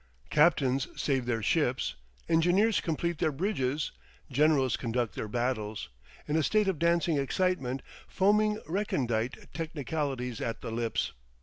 Captains save their ships engineers complete their bridges, generals conduct their battles, in a state of dancing excitement, foaming recondite technicalities at the lips.